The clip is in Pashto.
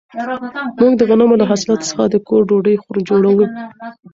موږ د غنمو له حاصلاتو څخه د کور ډوډۍ جوړوو.